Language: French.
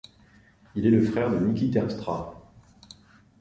Il est le frère de Niki Terpstra.